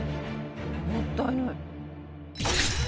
もったいない。